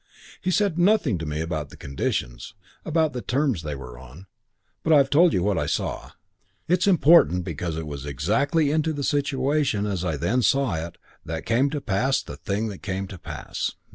He said nothing to me about the conditions about the terms they were on; but I've told you what I saw. It's important because it was exactly into the situation as I then saw it that came to pass the thing that came to pass.